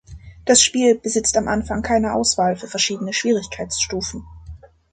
Das Spiel besitzt am Anfang keine Auswahl für verschiedene Schwierigkeitsstufen.